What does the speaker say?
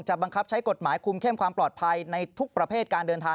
บังคับใช้กฎหมายคุมเข้มความปลอดภัยในทุกประเภทการเดินทาง